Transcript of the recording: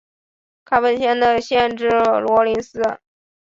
卡本县的县治罗林斯。